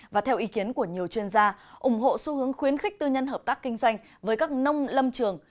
và theo ý kiến của nhiều chuyên gia ủng hộ xu hướng khuyến khích tư nhân hợp tác kinh doanh với các nông lâm trường